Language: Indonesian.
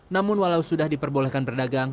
namun walau sudah diperbolehkan berdagang